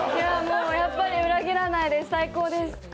やっぱり裏切らないです、最高です。